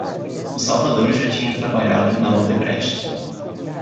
O Salvador já tinha trabalhado na Odebrecht.